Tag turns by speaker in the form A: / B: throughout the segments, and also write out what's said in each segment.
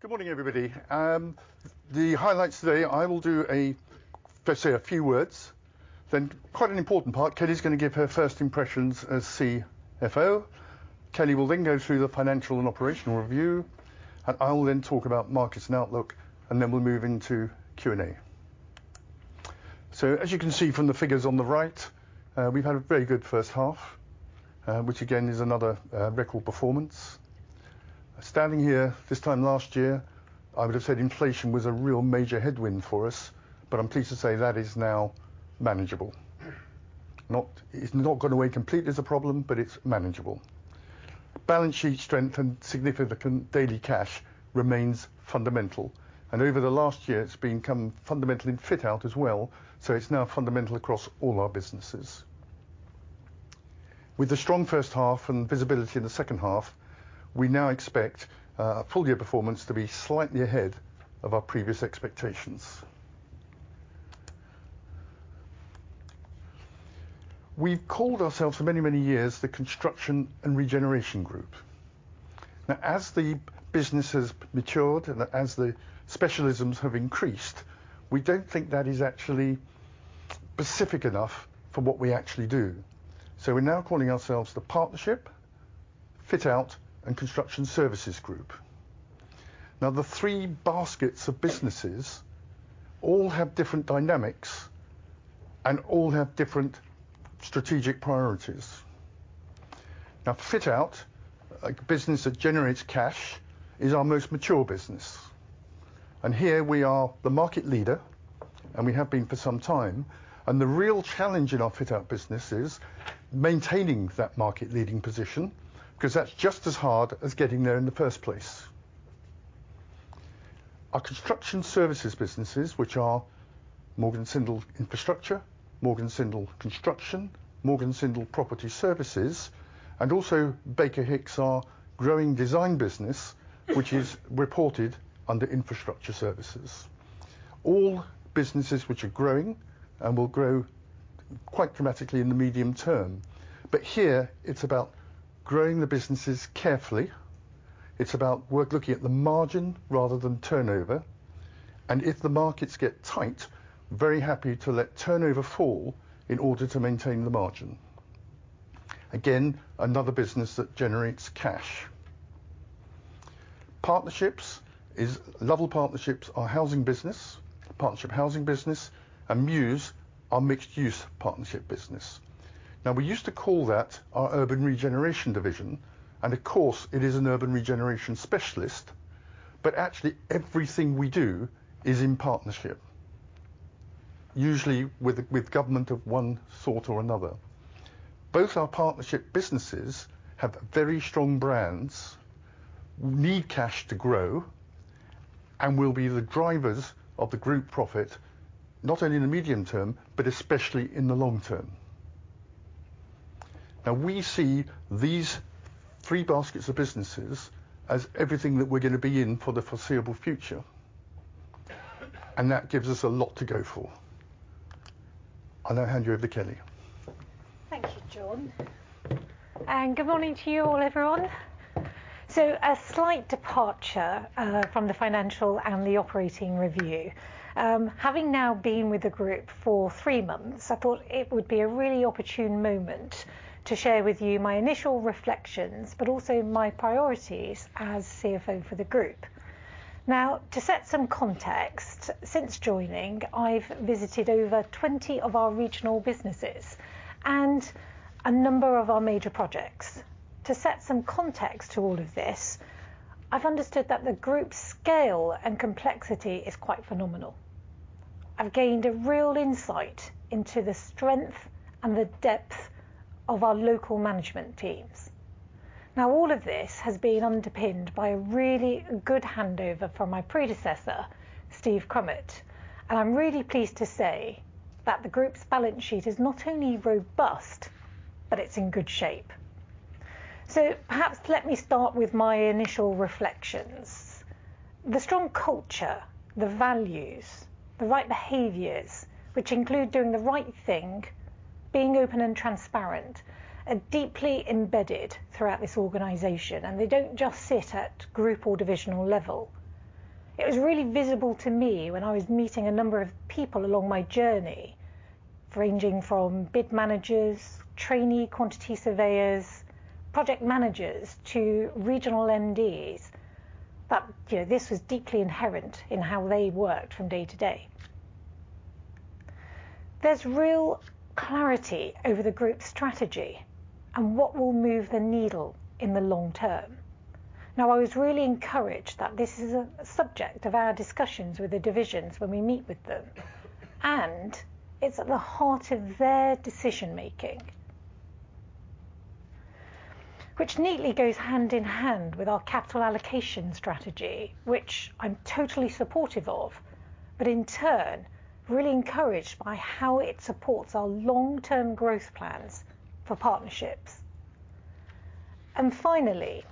A: Good morning, everybody. The highlights today, I will do a, let's say, a few words, then quite an important part, Kelly's going to give her first impressions as CFO. Kelly will then go through the financial and operational review, and I will then talk about markets and outlook, and then we'll move into Q&A. So as you can see from the figures on the right, we've had a very good first half, which again, is another, record performance. Standing here this time last year, I would have said inflation was a real major headwind for us, but I'm pleased to say that is now manageable. Not. It's not gone away completely as a problem, but it's manageable. Balance sheet strength and significant daily cash remains fundamental, and over the last year it's become fundamental in Fit Out as well, so it's now fundamental across all our businesses. With the strong first half and visibility in the second half, we now expect a full year performance to be slightly ahead of our previous expectations. We've called ourselves for many, many years, the Construction and Regeneration Group. Now, as the business has matured and as the specialisms have increased, we don't think that is actually specific enough for what we actually do. So we're now calling ourselves the Partnership, Fit Out, and Construction Services Group. Now, the three baskets of businesses all have different dynamics and all have different strategic priorities. Now, Fit Out, a business that generates cash, is our most mature business, and here we are the market leader, and we have been for some time. The real challenge in our Fit Out business is maintaining that market leading position, because that's just as hard as getting there in the first place. Our construction services businesses, which are Morgan Sindall Infrastructure, Morgan Sindall Construction, Morgan Sindall Property Services, and also BakerHicks, our growing design business, which is reported under infrastructure services. All businesses which are growing and will grow quite dramatically in the medium term. But here, it's about growing the businesses carefully. It's about we're looking at the margin rather than turnover, and if the markets get tight, very happy to let turnover fall in order to maintain the margin. Again, another business that generates cash. Partnerships is, Lovell Partnerships, our housing business, partnership housing business, and Muse, our mixed use partnership business. Now, we used to call that our urban regeneration division, and of course, it is an urban regeneration specialist, but actually, everything we do is in partnership, usually with government of one sort or another. Both our partnership businesses have very strong brands, need cash to grow, and will be the drivers of the group profit, not only in the medium term, but especially in the long term. Now, we see these three baskets of businesses as everything that we're going to be in for the foreseeable future, and that gives us a lot to go for. I now hand you over to Kelly.
B: Thank you, John, and good morning to you all, everyone. So a slight departure from the financial and the operating review. Having now been with the group for three months, I thought it would be a really opportune moment to share with you my initial reflections, but also my priorities as CFO for the group. Now, to set some context, since joining, I've visited over 20 of our regional businesses and a number of our major projects. To set some context to all of this, I've understood that the group's scale and complexity is quite phenomenal. I've gained a real insight into the strength and the depth of our local management teams. Now, all of this has been underpinned by a really good handover from my predecessor, Steve Crummett, and I'm really pleased to say that the group's balance sheet is not only robust, but it's in good shape. So perhaps let me start with my initial reflections. The strong culture, the values, the right behaviors, which include doing the right thing, being open and transparent, are deeply embedded throughout this organization, and they don't just sit at group or divisional level. It was really visible to me when I was meeting a number of people along my journey, ranging from bid managers, trainee quantity surveyors, project managers to regional MDs, that, you know, this was deeply inherent in how they worked from day to day. There's real clarity over the group's strategy and what will move the needle in the long term. Now, I was really encouraged that this is a subject of our discussions with the divisions when we meet with them, and it's at the heart of their decision making. Which neatly goes hand in hand with our capital allocation strategy, which I'm totally supportive of, but in turn, really encouraged by how it supports our long term growth plans for partnerships. And finally,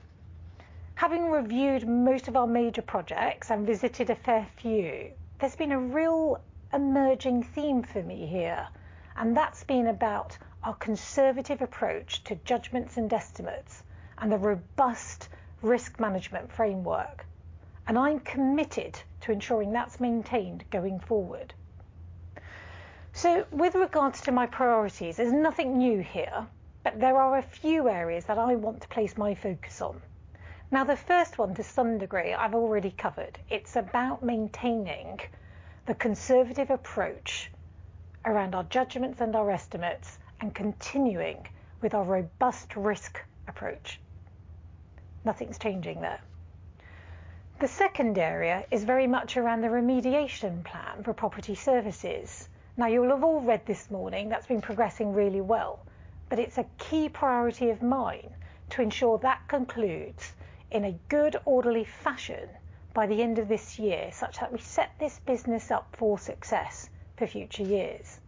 B: having reviewed most of our major projects and visited a fair few, there's been a real emerging theme for me here, and that's been about our conservative approach to judgments and estimates and a robust risk management framework. And I'm committed to ensuring that's maintained going forward... So with regards to my priorities, there's nothing new here, but there are a few areas that I want to place my focus on. Now, the first one, to some degree, I've already covered. It's about maintaining the conservative approach around our judgments and our estimates and continuing with our robust risk approach. Nothing's changing there. The second area is very much around the remediation plan for Property Services. Now, you'll have all read this morning, that's been progressing really well, but it's a key priority of mine to ensure that concludes in a good, orderly fashion by the end of this year, such that we set this business up for success for future years.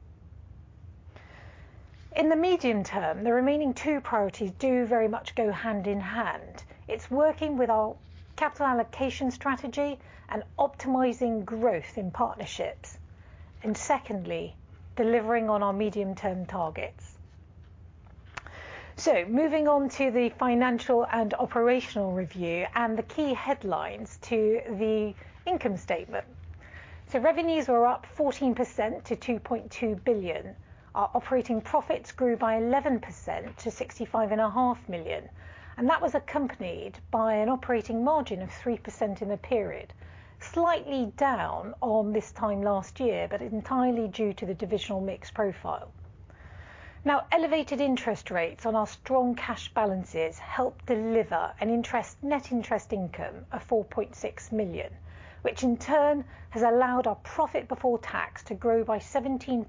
B: In the medium term, the remaining two priorities do very much go hand in hand. It's working with our capital allocation strategy and optimizing growth in partnerships, and secondly, delivering on our medium-term targets. So moving on to the financial and operational review and the key headlines to the income statement. So revenues were up 14% to 2.2 billion. Our operating profits grew by 11% to 65.5 million, and that was accompanied by an operating margin of 3% in the period, slightly down on this time last year, but entirely due to the divisional mix profile. Now, elevated interest rates on our strong cash balances helped deliver a net interest income of 4.6 million, which in turn has allowed our profit before tax to grow by 17%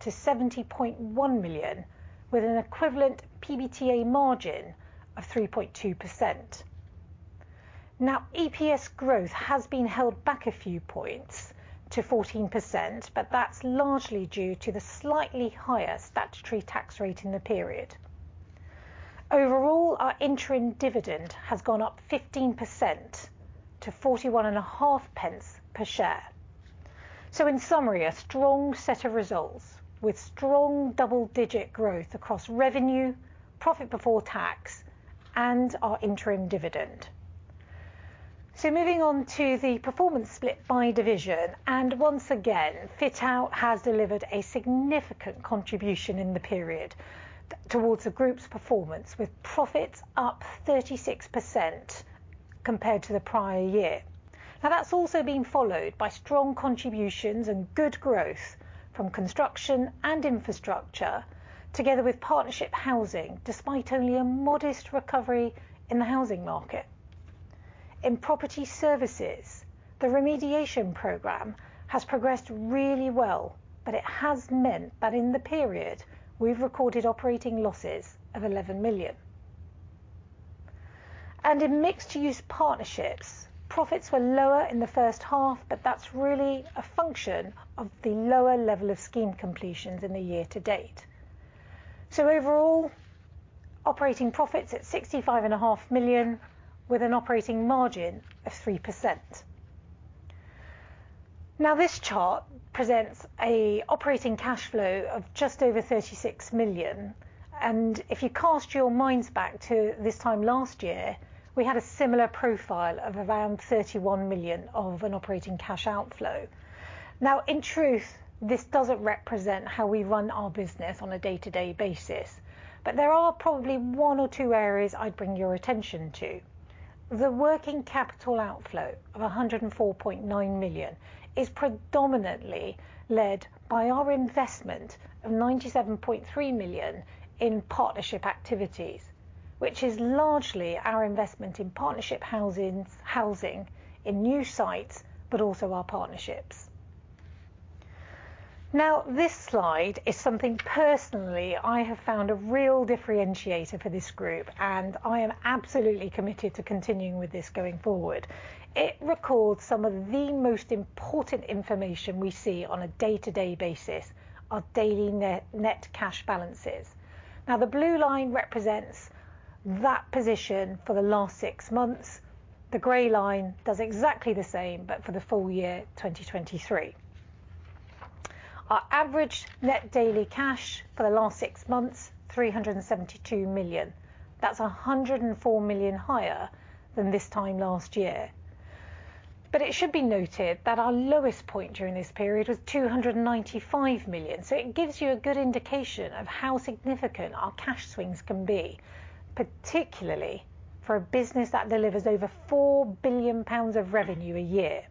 B: to 70.1 million, with an equivalent PBTA margin of 3.2%. Now, EPS growth has been held back a few points to 14%, but that's largely due to the slightly higher statutory tax rate in the period. Overall, our interim dividend has gone up 15% to 0.415 per share. So in summary, a strong set of results with strong double-digit growth across revenue, profit before tax, and our interim dividend. So moving on to the performance split by division, and once again, Fit Out has delivered a significant contribution in the period towards the group's performance, with profits up 36% compared to the prior year. Now, that's also been followed by strong contributions and good growth from Construction and Infrastructure, together with Partnership Housing, despite only a modest recovery in the housing market. In Property Services, the remediation program has progressed really well, but it has meant that in the period we've recorded operating losses of 11 million. In mixed-use partnerships, profits were lower in the first half, but that's really a function of the lower level of scheme completions in the year to date. So overall, operating profits at 65.5 million, with an operating margin of 3%. Now, this chart presents a operating cash flow of just over 36 million, and if you cast your minds back to this time last year, we had a similar profile of around 31 million of an operating cash outflow. Now, in truth, this doesn't represent how we run our business on a day-to-day basis, but there are probably one or two areas I'd bring your attention to. The working capital outflow of 104.9 million is predominantly led by our investment of 97.3 million in partnership activities, which is largely our investment in partnership housing in new sites, but also our partnerships. Now, this slide is something personally, I have found a real differentiator for this group, and I am absolutely committed to continuing with this going forward. It records some of the most important information we see on a day-to-day basis, our daily net, net cash balances. Now, the blue line represents that position for the last six months. The gray line does exactly the same, but for the full year, 2023. Our average net daily cash for the last six months, 372 million. That's 104 million higher than this time last year. But it should be noted that our lowest point during this period was 295 million. So it gives you a good indication of how significant our cash swings can be, particularly for a business that delivers over 4 billion pounds of revenue a year.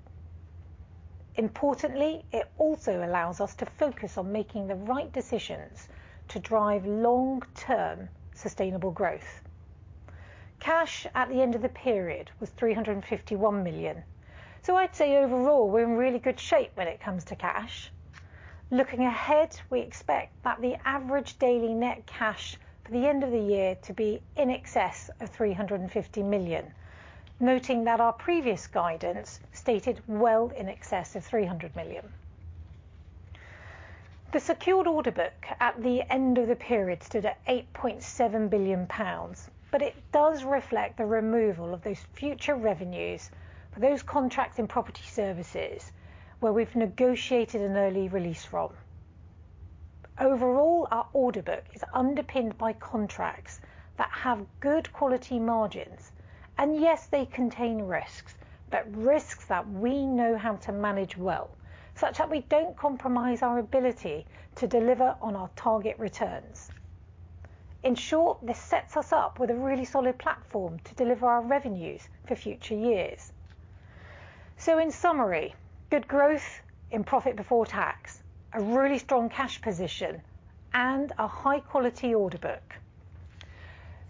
B: Importantly, it also allows us to focus on making the right decisions to drive long-term sustainable growth. Cash at the end of the period was 351 million. So I'd say overall, we're in really good shape when it comes to cash. Looking ahead, we expect that the average daily net cash for the end of the year to be in excess of 350 million, noting that our previous guidance stated well in excess of 300 million. The secured order book at the end of the period stood at 8.7 billion pounds, but it does reflect the removal of those future revenues for those contracts in Property Services, where we've negotiated an early release roll-off. Overall, our order book is underpinned by contracts that have good quality margins. Yes, they contain risks, but risks that we know how to manage well, such that we don't compromise our ability to deliver on our target returns. In short, this sets us up with a really solid platform to deliver our revenues for future years. So in summary, good growth in profit before tax, a really strong cash position, and a high-quality order book.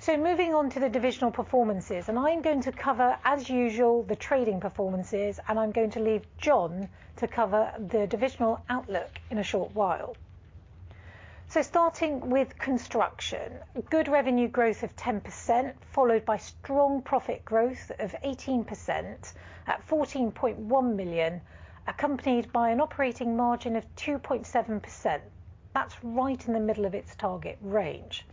B: So moving on to the divisional performances, and I am going to cover, as usual, the trading performances, and I'm going to leave John to cover the divisional outlook in a short while. So starting with construction, good revenue growth of 10%, followed by strong profit growth of 18% at 14.1 million, accompanied by an operating margin of 2.7%. That's right in the middle of its target range.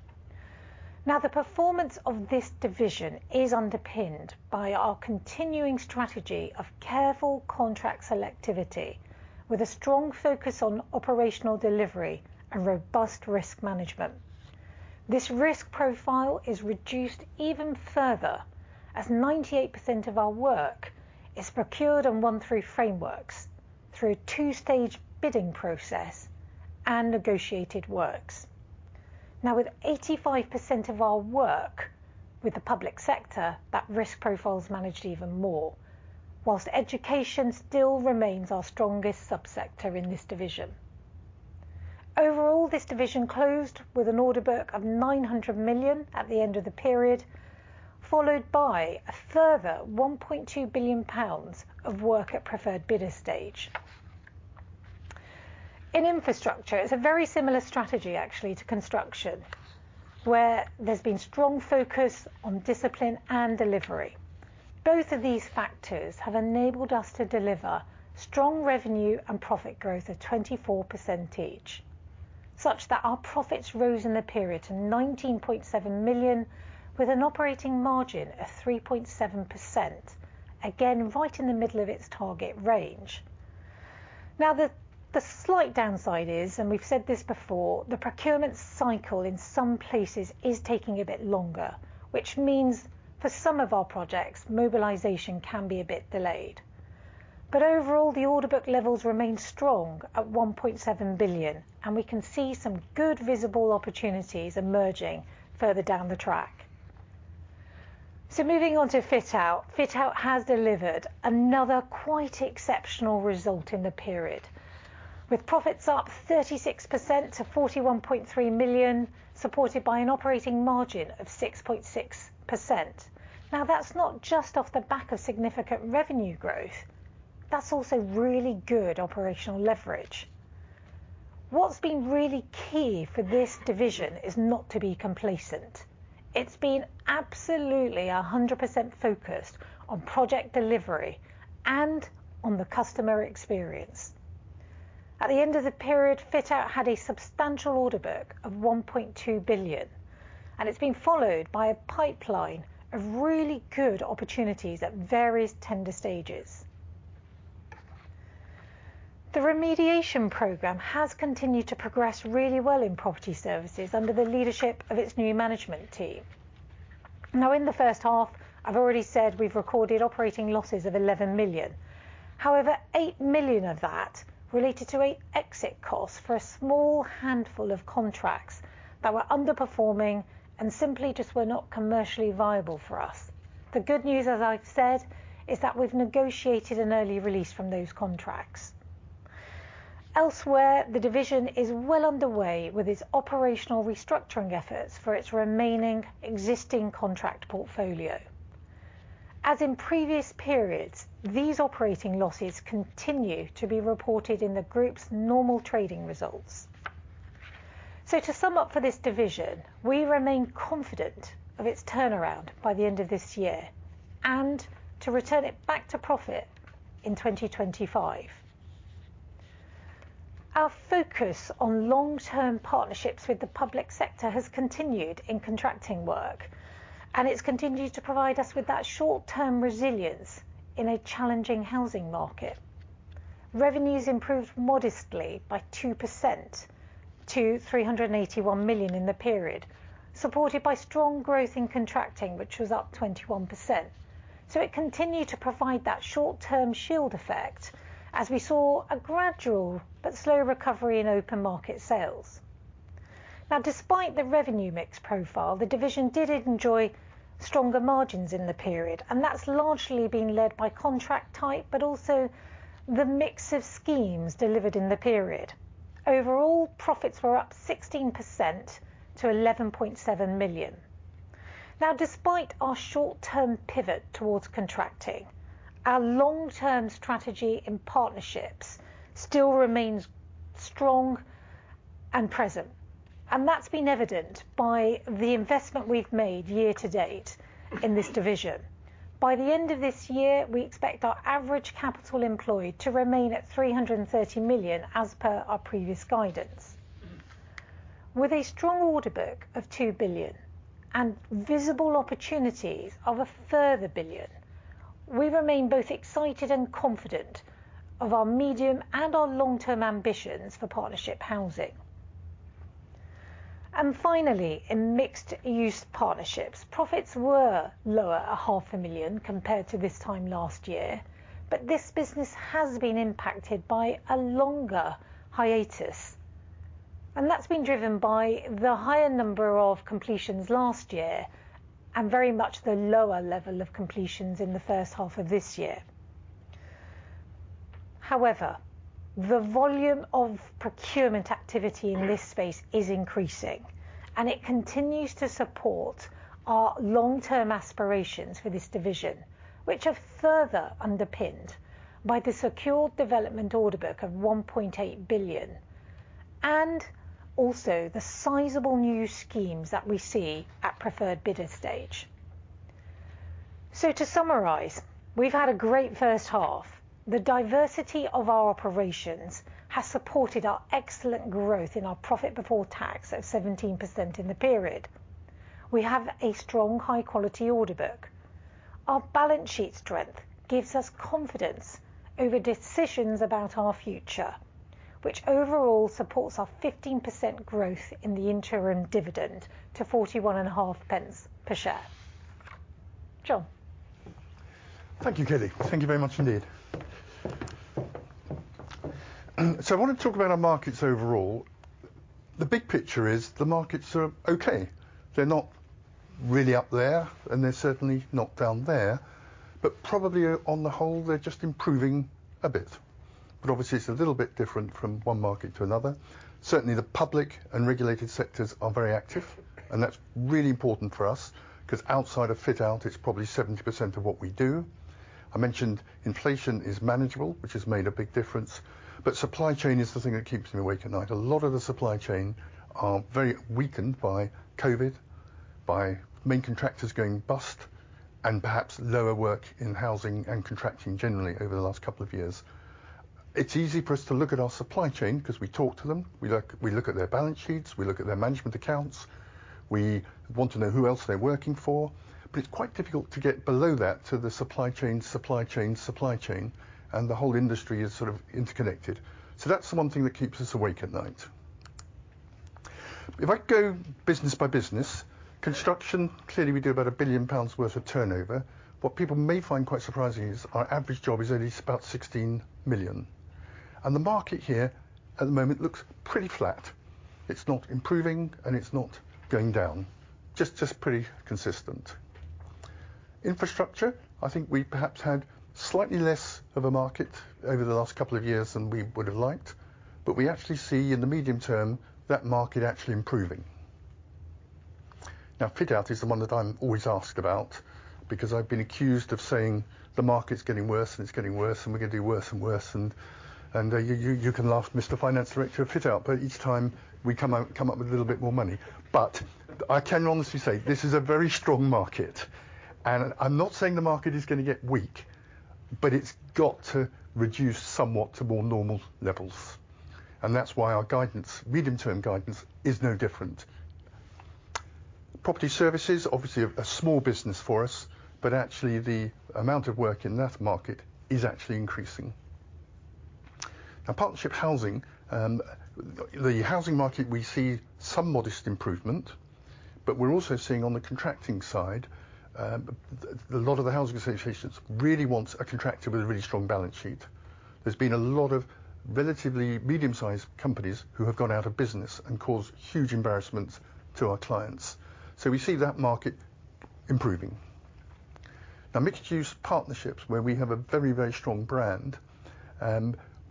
B: Now, the performance of this division is underpinned by our continuing strategy of careful contract selectivity, with a strong focus on operational delivery and robust risk management. This risk profile is reduced even further, as 98% of our work is procured and won through frameworks, through a two-stage bidding process and negotiated works. Now, with 85% of our work with the public sector, that risk profile is managed even more, whilst education still remains our strongest sub-sector in this division. Overall, this division closed with an order book of 900 million at the end of the period, followed by a further 1.2 billion pounds of work at preferred bidder stage. In infrastructure, it's a very similar strategy, actually, to construction, where there's been strong focus on discipline and delivery. Both of these factors have enabled us to deliver strong revenue and profit growth of 24% each, such that our profits rose in the period to 19.7 million, with an operating margin of 3.7%. Again, right in the middle of its target range. Now, the slight downside is, and we've said this before, the procurement cycle in some places is taking a bit longer, which means for some of our projects, mobilization can be a bit delayed. But overall, the order book levels remain strong at 1.7 billion, and we can see some good visible opportunities emerging further down the track. So moving on to Fit Out. Fit Out has delivered another quite exceptional result in the period, with profits up 36% to 41.3 million, supported by an operating margin of 6.6%. Now, that's not just off the back of significant revenue growth, that's also really good operational leverage. What's been really key for this division is not to be complacent. It's been absolutely 100% focused on project delivery and on the customer experience. At the end of the period, Fit Out had a substantial order book of 1.2 billion, and it's been followed by a pipeline of really good opportunities at various tender stages. The remediation program has continued to progress really well in Property Services under the leadership of its new management team. Now, in the first half, I've already said we've recorded operating losses of 11 million. However, 8 million of that related to an exit cost for a small handful of contracts that were underperforming and simply just were not commercially viable for us. The good news, as I've said, is that we've negotiated an early release from those contracts. Elsewhere, the division is well underway with its operational restructuring efforts for its remaining existing contract portfolio. As in previous periods, these operating losses continue to be reported in the group's normal trading results. So to sum up for this division, we remain confident of its turnaround by the end of this year, and to return it back to profit in 2025. Our focus on long-term partnerships with the public sector has continued in contracting work, and it's continued to provide us with that short-term resilience in a challenging housing market. Revenues improved modestly by 2% to 381 million in the period, supported by strong growth in contracting, which was up 21%. So it continued to provide that short-term shield effect as we saw a gradual but slow recovery in open market sales. Now, despite the revenue mix profile, the division did enjoy stronger margins in the period, and that's largely been led by contract type, but also the mix of schemes delivered in the period. Overall, profits were up 16% to 11.7 million. Now, despite our short-term pivot towards contracting, our long-term strategy in partnerships still remains strong and present, and that's been evident by the investment we've made year to date in this division. By the end of this year, we expect our average capital employed to remain at 300 million, as per our previous guidance. With a strong order book of 2 billion and visible opportunities of a further 1 billion-... We remain both excited and confident of our medium- and long-term ambitions for partnership housing. Finally, in mixed use partnerships, profits were lower, 0.5 million, compared to this time last year, but this business has been impacted by a longer hiatus, and that's been driven by the higher number of completions last year and very much the lower level of completions in the first half of this year. However, the volume of procurement activity in this space is increasing, and it continues to support our long-term aspirations for this division, which are further underpinned by the secured development order book of 1.8 billion, and also the sizable new schemes that we see at preferred bidder stage. To summarize, we've had a great first half. The diversity of our operations has supported our excellent growth in our profit before tax of 17% in the period. We have a strong, high quality order book. Our balance sheet strength gives us confidence over decisions about our future, which overall supports our 15% growth in the interim dividend to 0.415 per share. John?
A: Thank you, Kelly. Thank you very much indeed. So I want to talk about our markets overall. The big picture is the markets are okay. They're not really up there, and they're certainly not down there, but probably on the whole, they're just improving a bit. But obviously it's a little bit different from one market to another. Certainly, the public and regulated sectors are very active, and that's really important for us because outside of fit out, it's probably 70% of what we do. I mentioned inflation is manageable, which has made a big difference, but supply chain is the thing that keeps me awake at night. A lot of the supply chain are very weakened by COVID, by main contractors going bust and perhaps lower work in housing and contracting generally over the last couple of years. It's easy for us to look at our supply chain because we talk to them, we look, we look at their balance sheets, we look at their management accounts. We want to know who else they're working for. But it's quite difficult to get below that to the supply chain, supply chain, supply chain, and the whole industry is sort of interconnected. So that's the one thing that keeps us awake at night. If I go business by business, construction, clearly we do about 1 billion pounds worth of turnover. What people may find quite surprising is our average job is only about 16 million, and the market here at the moment looks pretty flat. It's not improving, and it's not going down. Just, just pretty consistent. Infrastructure, I think we perhaps had slightly less of a market over the last couple of years than we would have liked, but we actually see in the medium term, that market actually improving. Now, fit out is the one that I'm always asked about because I've been accused of saying, "The market's getting worse, and it's getting worse, and we're going to do worse and worse," and you can laugh, Mr. Financial Director of Fit Out, but each time we come up with a little bit more money. But I can honestly say this is a very strong market, and I'm not saying the market is going to get weak, but it's got to reduce somewhat to more normal levels. And that's why our guidance, medium-term guidance, is no different. Property Services, obviously a small business for us, but actually the amount of work in that market is actually increasing. Now, Partnership Housing, the housing market, we see some modest improvement, but we're also seeing on the contracting side, a lot of the housing associations really wants a contractor with a really strong balance sheet. There's been a lot of relatively medium-sized companies who have gone out of business and caused huge embarrassment to our clients. So we see that market improving. Now, Mixed Use Partnerships, where we have a very, very strong brand,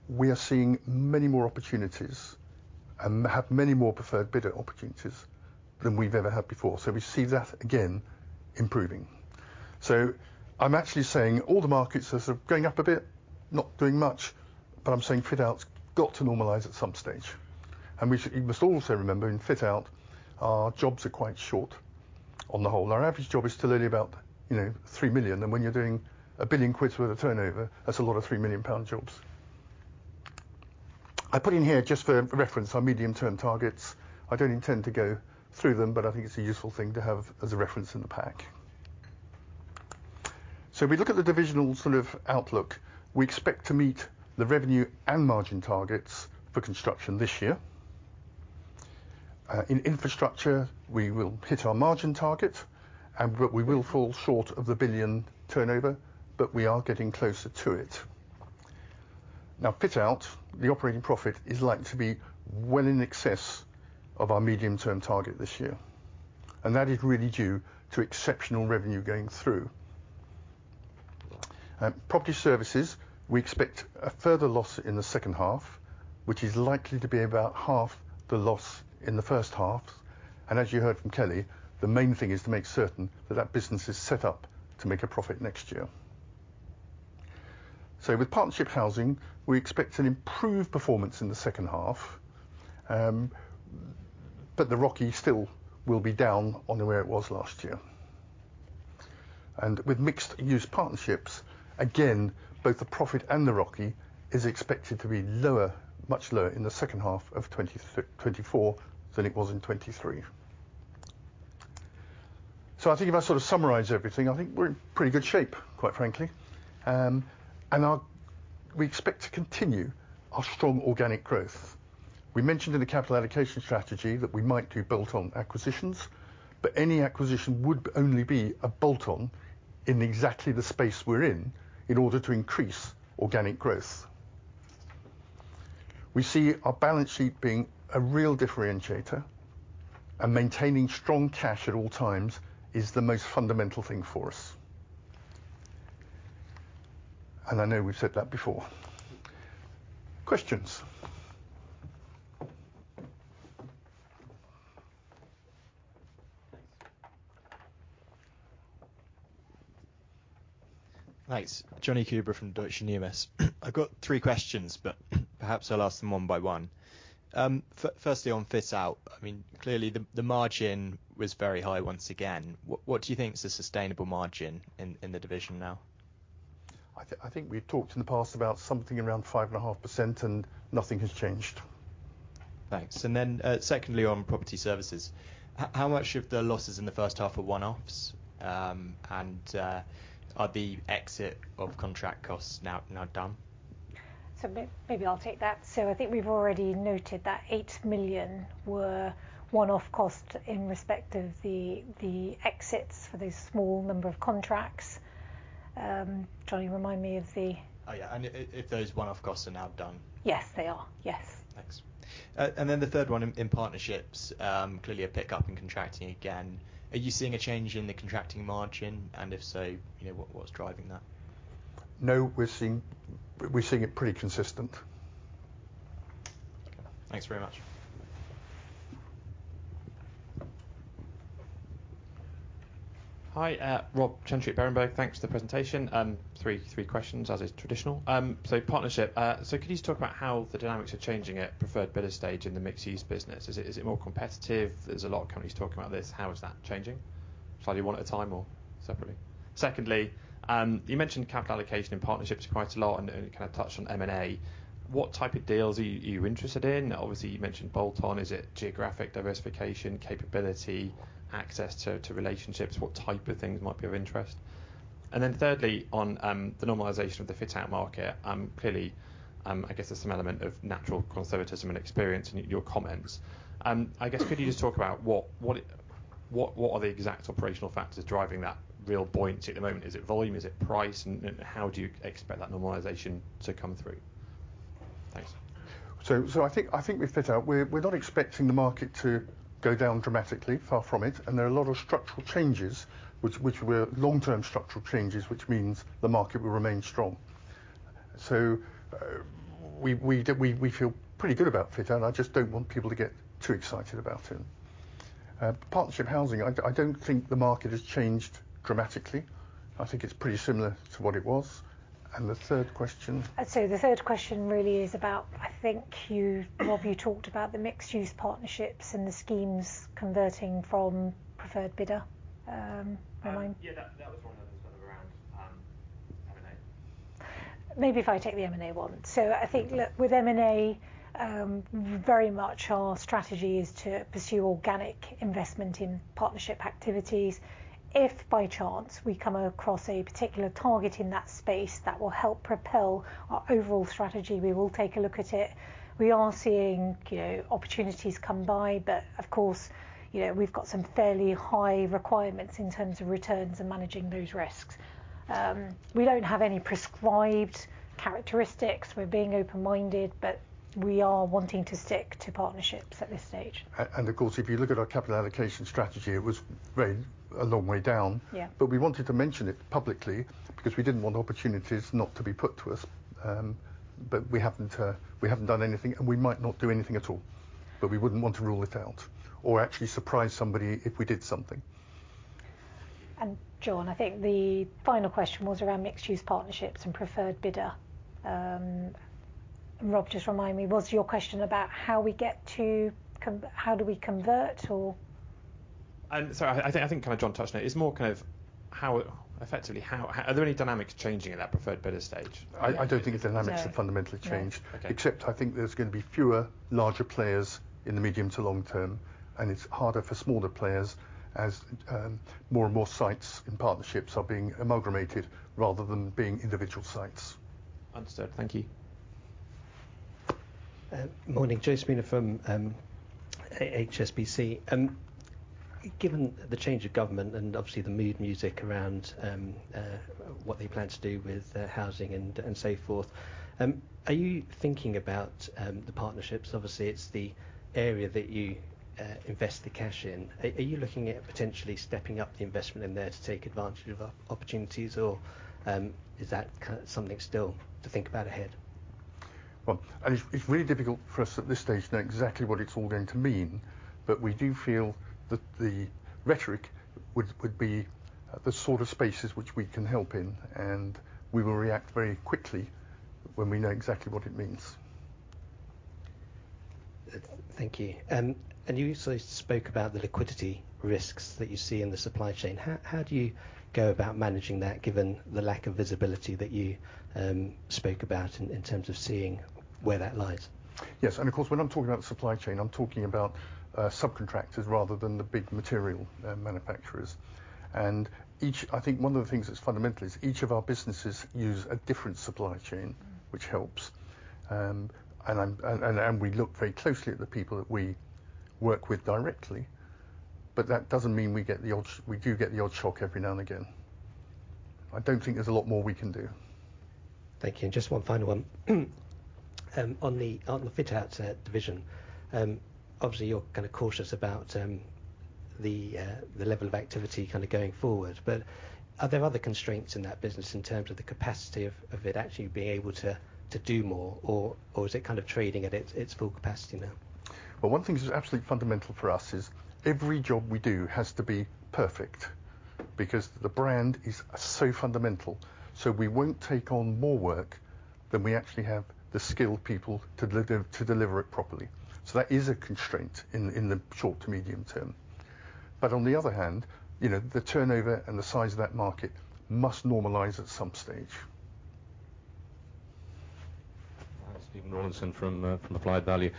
A: we are seeing many more opportunities and have many more preferred bidder opportunities than we've ever had before. So we see that, again, improving. So I'm actually saying all the markets are sort of going up a bit, not doing much, but I'm saying Fit Out's got to normalize at some stage. We must also remember, in fit out, our jobs are quite short on the whole. Our average job is still only about, you know, 3 million. And when you're doing a 1 billion worth of turnover, that's a lot of 3 million pound jobs. I put in here, just for reference, our medium-term targets. I don't intend to go through them, but I think it's a useful thing to have as a reference in the pack. So if we look at the divisional sort of outlook, we expect to meet the revenue and margin targets for construction this year. In infrastructure, we will hit our margin target, and but we will fall short of the 1 billion turnover, but we are getting closer to it. Now, Fit Out, the operating profit is likely to be well in excess of our medium-term target this year, and that is really due to exceptional revenue going through. Property Services, we expect a further loss in the second half, which is likely to be about half the loss in the first half. And as you heard from Kelly, the main thing is to make certain that that business is set up to make a profit next year. So with Partnership Housing, we expect an improved performance in the second half, but the ROCE still will be down on the way it was last year. And with Mixed Use Partnerships, again, both the profit and the ROCE is expected to be lower, much lower, in the second half of 2024 than it was in 2023.... So I think if I sort of summarize everything, I think we're in pretty good shape, quite frankly. And we expect to continue our strong organic growth. We mentioned in the capital allocation strategy that we might do bolt-on acquisitions, but any acquisition would only be a bolt-on in exactly the space we're in, in order to increase organic growth. We see our balance sheet being a real differentiator, and maintaining strong cash at all times is the most fundamental thing for us. And I know we've said that before. Questions?
C: Thanks. Jonny Coubrough from Deutsche Numis. I've got three questions, but, perhaps I'll ask them one by one. Firstly, on fit out, I mean, clearly, the, the margin was very high once again. What, what do you think is a sustainable margin in, in the division now?
A: I think we've talked in the past about something around 5.5%, and nothing has changed.
C: Thanks. And then, secondly, on property services, how much of the losses in the first half are one-offs, and, are the exit of contract costs now, now done?
B: So maybe I'll take that. So I think we've already noted that 8 million were one-off costs in respect of the exits for the small number of contracts. Johnny, remind me of the-
C: Oh, yeah, and if those one-off costs are now done?
B: Yes, they are. Yes.
C: Thanks. And then the third one, in partnerships, clearly a pickup in contracting again. Are you seeing a change in the contracting margin? And if so, you know, what, what's driving that?
A: No, we're seeing, we're seeing it pretty consistent.
C: Thanks very much.
D: Hi, Rob Chantry at Berenberg. Thanks for the presentation. Three questions, as is traditional. So partnership, so could you just talk about how the dynamics are changing at preferred bidder stage in the mixed-use business? Is it, is it more competitive? There's a lot of companies talking about this. How is that changing? Shall I do one at a time or separately? Secondly, you mentioned capital allocation and partnerships quite a lot, and, and kind of touched on M&A. What type of deals are you, you interested in? Obviously, you mentioned bolt-on. Is it geographic diversification, capability, access to, to relationships? What type of things might be of interest? And then thirdly, on the normalization of the fit out market, clearly, I guess there's some element of natural conservatism and experience in your comments. I guess, could you just talk about what it—what are the exact operational factors driving that real point at the moment? Is it volume? Is it price? And how do you expect that normalization to come through? Thanks.
A: So, I think with fit out, we're not expecting the market to go down dramatically, far from it, and there are a lot of structural changes, which were long-term structural changes, which means the market will remain strong. So, we feel pretty good about fit out. I just don't want people to get too excited about it. Partnership housing, I don't think the market has changed dramatically. I think it's pretty similar to what it was. And the third question?
B: So the third question really is about, I think you, Rob, you talked about the mixed-use partnerships and the schemes converting from preferred bidder. Remind-
D: Yeah, that was one of them, sort of around M&A.
B: Maybe if I take the M&A one.
D: Okay.
B: So I think that with M&A, very much our strategy is to pursue organic investment in partnership activities. If by chance we come across a particular target in that space that will help propel our overall strategy, we will take a look at it. We are seeing, you know, opportunities come by, but of course, you know, we've got some fairly high requirements in terms of returns and managing those risks. We don't have any prescribed characteristics. We're being open-minded, but we are wanting to stick to partnerships at this stage.
A: Of course, if you look at our capital allocation strategy, it was very a long way down.
B: Yeah.
A: But we wanted to mention it publicly, because we didn't want opportunities not to be put to us. But we haven't done anything, and we might not do anything at all, but we wouldn't want to rule it out or actually surprise somebody if we did something.
B: John, I think the final question was around mixed-use partnerships and preferred bidder. Rob, just remind me, was your question about how we get to how do we convert, or?
D: So, I think John touched on it. It's more kind of how effectively are there any dynamics changing in that preferred bidder stage?
A: I don't think the dynamics-
B: No...
A: have fundamentally changed.
D: Okay.
A: Except I think there's gonna be fewer, larger players in the medium to long term, and it's harder for smaller players as, more and more sites and partnerships are being amalgamated rather than being individual sites.
D: Understood. Thank you.
C: Morning, Joe Spooner from Deutsche Numis. Given the change of government and obviously the mood music around what they plan to do with housing and so forth, are you thinking about the partnerships? Obviously, it's the area that you invest the cash in. Are you looking at potentially stepping up the investment in there to take advantage of opportunities, or is that something still to think about ahead?
A: Well, it's really difficult for us at this stage to know exactly what it's all going to mean, but we do feel that the rhetoric would be the sort of spaces which we can help in, and we will react very quickly when we know exactly what it means....
B: Thank you. And you also spoke about the liquidity risks that you see in the supply chain. How do you go about managing that, given the lack of visibility that you spoke about in terms of seeing where that lies?
A: Yes, and of course, when I'm talking about the supply chain, I'm talking about subcontractors rather than the big material manufacturers. And each—I think one of the things that's fundamental is each of our businesses use a different supply chain, which helps. And we look very closely at the people that we work with directly, but that doesn't mean we get the odd—we do get the odd shock every now and again. I don't think there's a lot more we can do.
B: Thank you. And just one final one. On the Fit Out division, obviously, you're kind of cautious about the level of activity kind of going forward. But are there other constraints in that business in terms of the capacity of it actually being able to do more, or is it kind of trading at its full capacity now?
A: Well, one thing that is absolutely fundamental for us is every job we do has to be perfect because the brand is so fundamental. So we won't take on more work than we actually have the skilled people to deliver, to deliver it properly. So that is a constraint in the short to medium term. But on the other hand, you know, the turnover and the size of that market must normalize at some stage.
E: Hi, Stephen Rawlinson from Applied Value.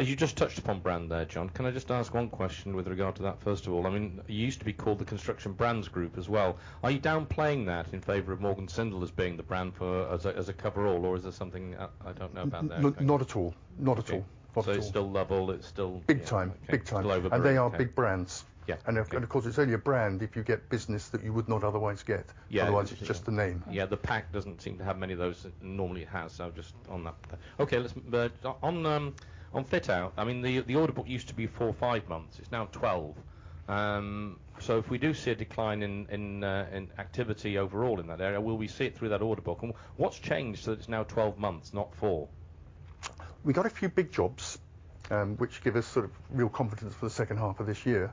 E: You just touched upon brand there, John. Can I just ask one question with regard to that, first of all? I mean, you used to be called the Construction Brands Group as well. Are you downplaying that in favor of Morgan Sindall as being the brand for as a, as a cover-all, or is there something I don't know about there?
A: No, not at all. Not at all.
E: Okay.
A: Not at all.
E: So it's still Lovell, it's still-
A: Big time.
E: Okay.
A: Big time.
F: Still Overbury.
A: They are big brands.
E: Yeah. Okay.
A: And of course, it's only a brand if you get business that you would not otherwise get.
E: Yeah.
A: Otherwise, it's just a name.
E: Yeah, the pack doesn't seem to have many of those than normally it has, so just on that. Okay, let's... But on Fit Out, I mean, the order book used to be 4-5 months. It's now 12. So if we do see a decline in activity overall in that area, will we see it through that order book? And what's changed, so that it's now 12 months, not 4?
A: We got a few big jobs, which give us sort of real confidence for the second half of this year,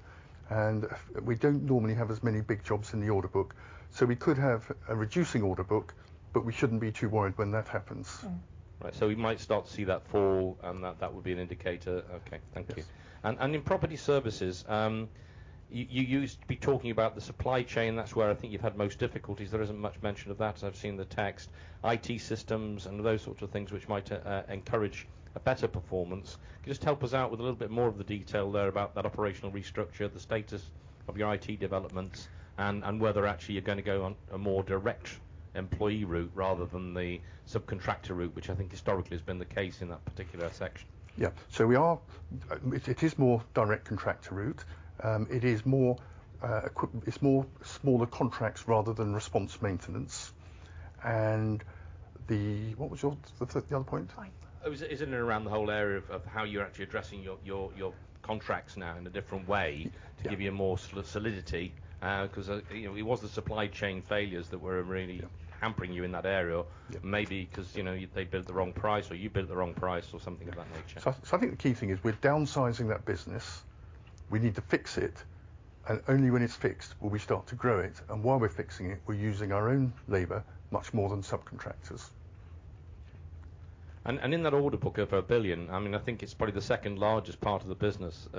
A: and we don't normally have as many big jobs in the order book, so we could have a reducing order book, but we shouldn't be too worried when that happens.
E: Mm-hmm. Right. So we might start to see that fall, and that, that would be an indicator. Okay, thank you.
A: Yes.
E: In Property Services, you used to be talking about the supply chain. That's where I think you've had most difficulties. There isn't much mention of that. I've seen the tech, IT systems and those sorts of things which might encourage a better performance. Can you just help us out with a little bit more of the detail there about that operational restructure, the status of your IT developments, and whether actually you're going to go on a more direct employee route rather than the subcontractor route, which I think historically has been the case in that particular section?
A: Yeah. So we are. It is more direct contractor route. It is more smaller contracts rather than response maintenance. And the. What was your, the other point?
B: Fine.
E: Oh, is it, isn't it around the whole area of how you're actually addressing your contracts now in a different way-
A: Yeah...
E: to give you a more sort of solidity? 'Cause, you know, it was the supply chain failures that were really-
A: Yeah
E: - hampering you in that area.
A: Yeah.
E: Maybe 'cause, you know, they built the wrong price, or you built the wrong price or something of that nature.
A: So, I think the key thing is we're downsizing that business. We need to fix it, and only when it's fixed will we start to grow it. And while we're fixing it, we're using our own labor much more than subcontractors.
E: And in that order book of 1 billion, I mean, I think it's probably the second largest part of the business,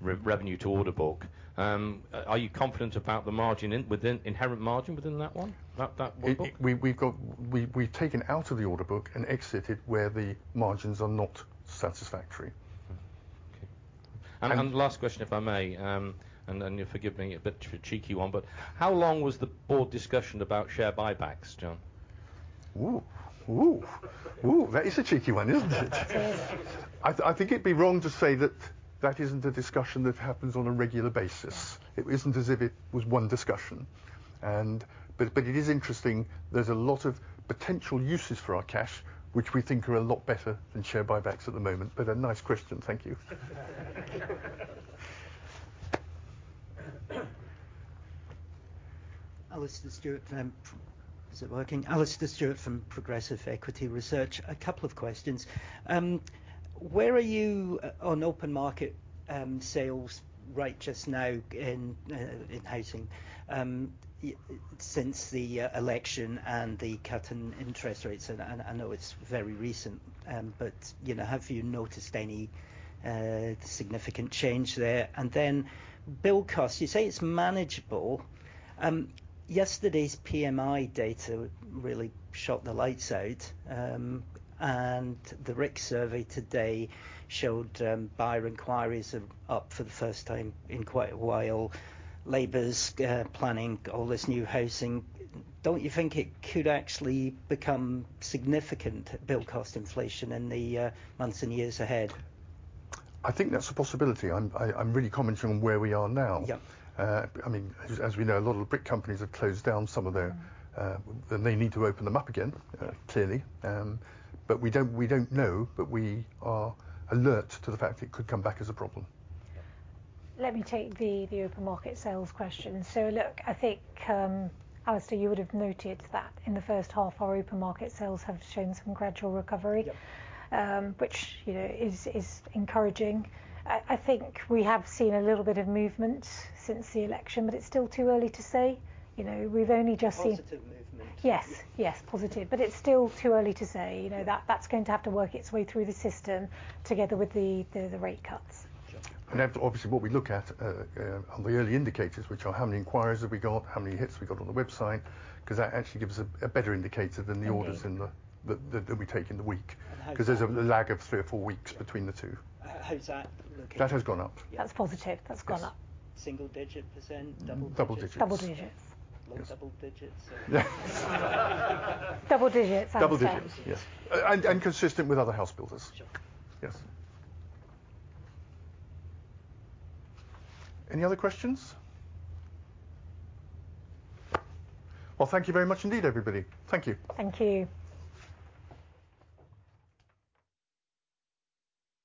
E: revenue to order book. Are you confident about the margin within inherent margin within that one, that order book?
A: We've taken out of the order book and exited where the margins are not satisfactory.
E: Mm-hmm. Okay.
A: And-
F: Last question, if I may, and then you'll forgive me, a bit of a cheeky one, but how long was the board discussion about share buybacks, John?
A: Ooh, ooh. Ooh, that is a cheeky one, isn't it?
B: It is.
A: I think it'd be wrong to say that that isn't a discussion that happens on a regular basis.
E: Yeah.
A: It isn't as if it was one discussion. But, but it is interesting, there's a lot of potential uses for our cash, which we think are a lot better than share buybacks at the moment. But a nice question, thank you.
G: Alastair Stewart from... Is it working? Alastair Stewart from Progressive Equity Research. A couple of questions. Where are you on open market sales right just now in housing since the election and the cut in interest rates? And I know it's very recent, but you know, have you noticed any significant change there? And then build costs, you say it's manageable. Yesterday's PMI data really shot the lights out, and the RICS survey today showed buyer inquiries are up for the first time in quite a while. Labour's planning all this new housing. Don't you think it could actually become significant build cost inflation in the months and years ahead?
A: I think that's a possibility. I'm really commenting on where we are now.
G: Yeah.
A: I mean, as, as we know, a lot of brick companies have closed down some of their... They need to open them up again, clearly. We don't, we don't know, but we are alert to the fact it could come back as a problem.
G: Yeah.
B: Let me take the open market sales question. So look, I think, Alastair, you would have noted that in the first half, our open market sales have shown some gradual recovery-
G: Yeah...
B: which, you know, is encouraging. I think we have seen a little bit of movement since the election, but it's still too early to say. You know, we've only just seen-
G: Positive movement.
B: Yes, yes, positive. But it's still too early to say.
G: Yeah.
B: You know, that's going to have to work its way through the system, together with the rate cuts.
G: Sure.
A: Then obviously, what we look at on the early indicators, which are how many inquiries have we got, how many hits we got on the website, 'cause that actually gives us a better indicator than the orders-
G: Okay...
A: in the, that we take in the week.
G: How's that?
A: 'Cause there's a lag of three or four weeks-
G: Yeah...
A: between the two.
G: How's that looking?
A: That has gone up.
B: That's positive. That's gone up.
G: Yes. Single digit %? Double digit-
A: Double digits.
B: Double digits.
G: Low double digits, or?
A: Yeah.
B: Double digits.
A: Double digits.
B: Yes.
A: And consistent with other house builders.
G: Sure.
A: Yes. Any other questions? Well, thank you very much indeed, everybody. Thank you.
B: Thank you.